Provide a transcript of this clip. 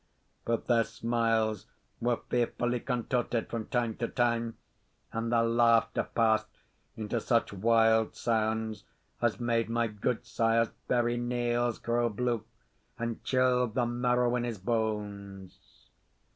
But their smiles were fearfully contorted from time to time; and their laughter passed into such wild sounds as made my gudesire's very nails grow blue, and chilled the marrow in his banes.